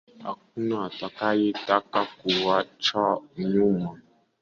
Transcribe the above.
Hakuna atakaye taka kuachwa nyuma